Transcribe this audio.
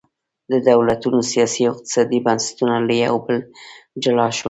د دولتونو سیاسي او اقتصادي بنسټونه له یو بل جلا شول.